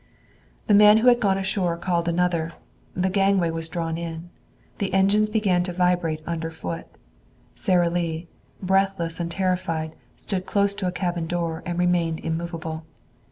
The man who had gone ashore called another. The gangway was drawn in. The engines began to vibrate under foot. Sara Lee, breathless and terrified, stood close to a cabin door and remained immovable.